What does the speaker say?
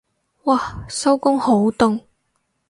嘩收工好凍